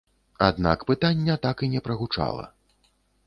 Аднак пытання так і не прагучала.